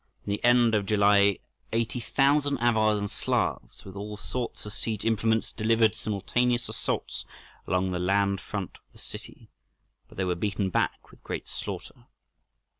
In the end of July 80,000 Avars and Slavs, with all sorts of siege implements, delivered simultaneous assaults along the land front of the city, but they were beaten back with great slaughter.